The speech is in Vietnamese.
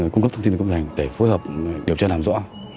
cung cấp thông tin về kim thành để phối hợp điều tra làm rõ